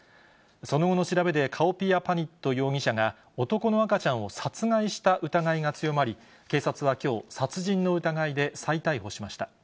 その後の調べで、カオピアパニット容疑者が、男の赤ちゃんを殺害した疑いが強まり、警察はきょう、殺人の疑いで再逮捕しました。